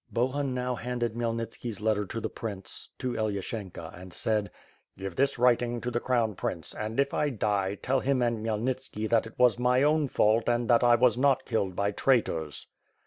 Bohun now handed Khmyelnitski's letter to the pHnce to P^lyashenka and said: "Give this writing to the Crown Prince and, if I die, tell him and Khmyelnitski that it was my own fault and that I was not killed by traitors."